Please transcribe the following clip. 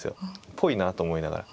っぽいなと思いながら。